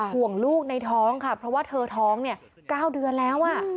ห่วงลูกในท้องค่ะเพราะว่าเธอท้องเนี่ย๙เดือนแล้ว